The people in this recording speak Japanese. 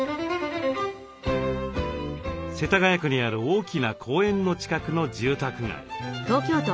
世田谷区にある大きな公園の近くの住宅街。